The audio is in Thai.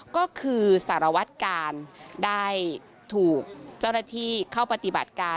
ก็คือสารวัตกาลได้ถูกเจ้าหน้าที่เข้าปฏิบัติการ